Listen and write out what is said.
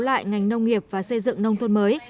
lại ngành nông nghiệp và xây dựng nông thôn mới